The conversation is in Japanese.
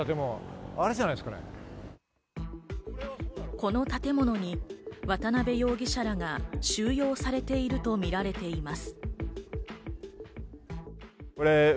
この建物に渡辺容疑者らが収容されているとみられています。